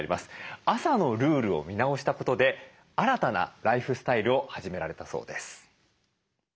朝のルールを見直したことで新たなライフスタイルを始められたそうです。